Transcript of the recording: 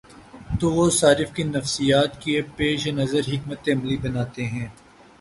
تو وہ صارف کی نفسیات کے پیش نظر حکمت عملی بناتے ہیں۔